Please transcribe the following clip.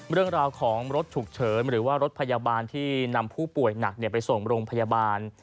เรื่องราวของรถฉุกเฉินหรือว่ารถพยาบาลที่นำผู้ป่วยหนักไปส่งโรงพยาบาล